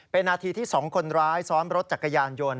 เป็นนาทีที่๒คนร้ายซ้อนรถจักรยานยนต์